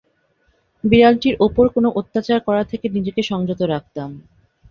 বিড়ালটির ওপর কোনো অত্যাচার করা থেকে নিজেকে সংযত রাখতাম।